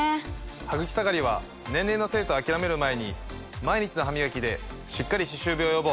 ハグキ下がりは年齢のせいと諦める前に毎日の歯磨きでしっかり歯周病予防。